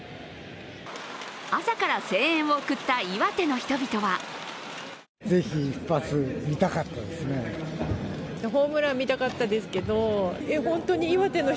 朝から声援を送った岩手の人々は試合は８回。